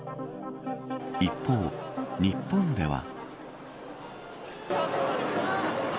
一方、日本では。